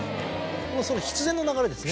必然の流れですね。